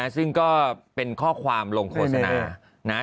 ซึ่งก็เป็นข้อความลงโฆษณานะ